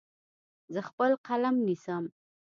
زه خپل قلم نیسم.